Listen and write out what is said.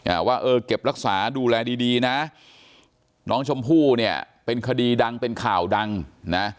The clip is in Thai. อ่าว่าเออเก็บรักษาดูแลดีดีนะน้องชมพู่เนี่ยเป็นคดีดังเป็นข่าวดังนะ